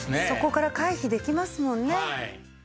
そこから回避できますもんね。